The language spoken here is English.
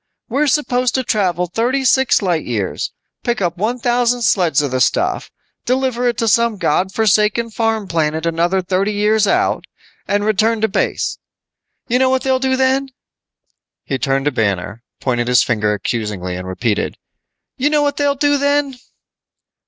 We're supposed to travel thirty six light years, pick up one thousand sleds of the stuff, deliver it to some God forsaken farm planet another thirty years out, and return to base. You know what they'll do then?" He turned to Banner, pointed his finger accusingly and repeated, "You know what they'll do then?"